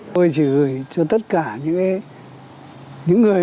tôi chỉ gửi cho tất cả những người